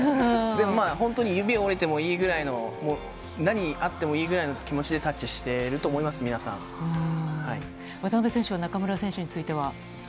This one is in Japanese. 本当に指折れてもいいぐらいの、何あってもいいぐらいの気持ちで渡辺選手は中村選手については。